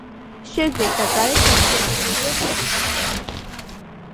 შიგნით და გარეთ დაზიანებულია შელესილობა.